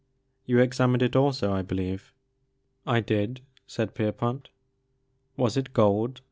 You examined it also, I believe." "Idid/*saidPierpont. "Was it gold?"